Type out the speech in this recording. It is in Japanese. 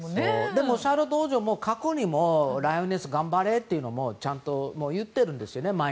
でもシャーロット王女も過去にもライオネス頑張れって前にもちゃんと言ってるんですね。